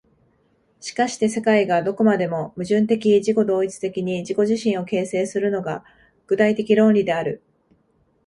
しかして世界がどこまでも矛盾的自己同一的に自己自身を形成するのが、具体的論理である。